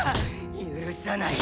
許さない。